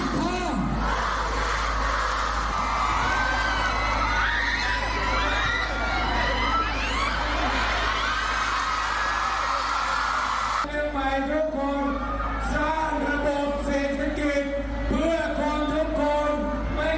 ประหลาดสดคุณพิทาที่จะอบมือติดตรงต่อไป